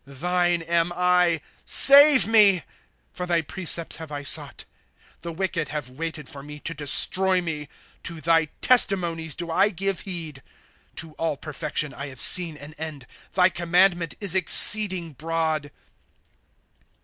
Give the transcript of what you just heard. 91 Thine am I,— save me ; For thy precepts have I sought. ^ The wicked have waited for me to destroy me ; To thy testimonies do I give heed. ss To all perfection I have seen an end ; Thy commandment is exceeding broad.